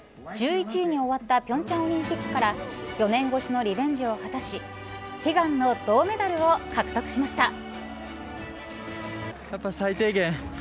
１１位に終わった平昌オリンピックから４年越しのリベンジを果たし悲願の銅メダルを獲得しました。